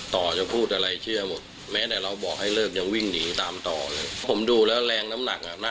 ต่อก็พูดอะไรเชื่อหมดแม้แต่เราบอกให้เลิกจังวิ่งหนีตามตอเลย